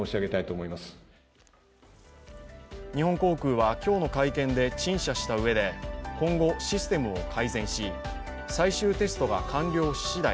日本航空は今日の会見で陳謝したうえで今後、システムを改善し最終テストが完了し次第